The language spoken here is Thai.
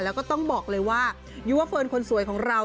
แล้วก็ต้องบอกเลยว่ายูเวอร์เฟิร์นคนสวยของเรา